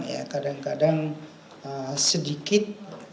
walaupun awalnya kadang kadang sedikit